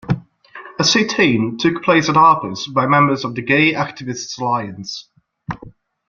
A sit-in took place at "Harper's" by members of the Gay Activists Alliance.